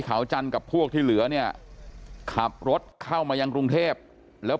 เขาจันทร์กับพวกที่เหลือเนี่ยขับรถเข้ามายังกรุงเทพแล้ว